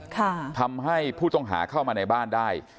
บ้านไม่ทันค่ะทำให้ผู้ต้องหาเข้ามาในบ้านได้